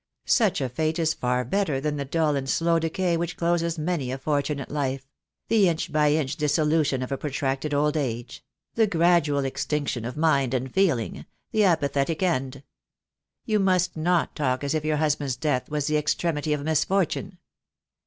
Such a fate is far better than the dull and slow decay which closes many a fortunate life — the inch by inch dissolution of a protracted old age — the gradual extinction of mind and feeling — the apathetic end. You must not talk as if your husband's death was the extremity of misfortune."